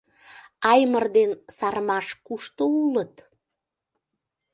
Аймыр ден Сармаш кушто улыт?